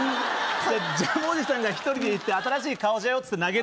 ジャムおじさんが１人で行って「新しい顔じゃよ」って投げる？